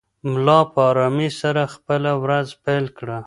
ملا په ارامۍ سره خپله ورځ پیل کړه.